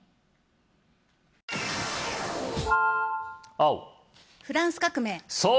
青フランス革命そう